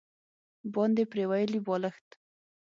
باندې پریولي بالښت